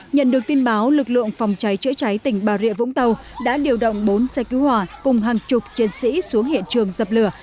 nhận được tin báo lực lượng phòng cháy chữa cháy tỉnh bà rịa vũng tàu đã điều động bốn xe cứu hỏa cùng hàng chục chiến sĩ xuống hiện trường dập lửa